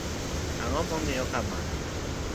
Ango mingiyo kamano .